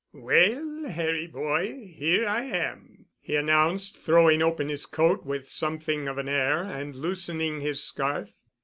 "Well, Harry boy, here I am," he announced, throwing open his coat with something of an air, and loosening his scarf.